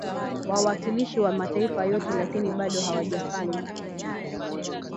wawakilishi wa mataifa yote lakini bado hawajafanya